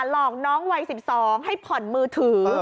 หลอกน้องวัย๑๒ให้ผ่อนมือถือ